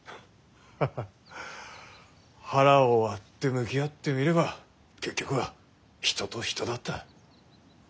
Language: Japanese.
ハハ腹を割って向き合ってみれば結局は人と人だった。